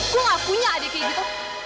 gue gak punya adik kayak gitu